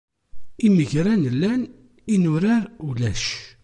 Imegran llan, inurar ulac.